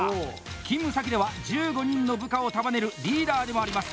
勤務先では１５人の部下を束ねるリーダーでもあります。